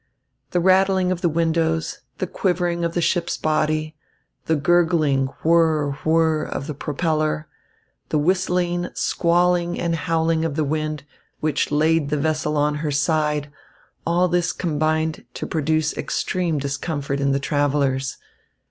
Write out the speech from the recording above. The rattling of the windows, the quivering of the ship's body, the gurgling whirr whirr of the propeller, the whistling, squalling and howling of the wind, which laid the vessel on her side, all this combined to produce extreme discomfort in the travellers.